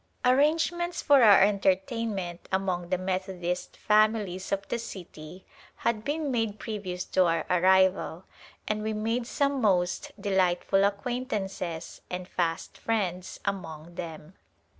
Arrangements for our entertainment among the Methodist families of the city had been made pre vious to our arrival and we made some most delightful acquaintances and fast friends among them.